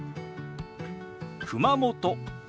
「熊本」。